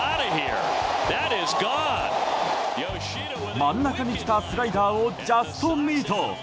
真ん中に来たスライダーをジャストミート。